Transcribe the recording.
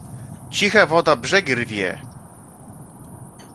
"Cicha woda brzegi rwie."